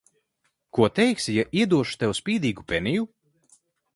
Ko teiksi, ja iedošu tev spīdīgu peniju?